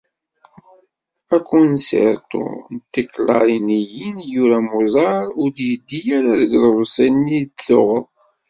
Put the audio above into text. Akunsirṭu n teklaṛiniyin i yura Mozart ur d-yeddi ara deg uḍebsi-nni d-tuɣeḍ.